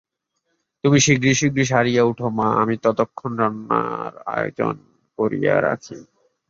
তুমি শীঘ্রশেীঘ্র সারিয়া ওঠো মা, আমি ততক্ষণ রান্নার আয়োজন করিয়া রাখি।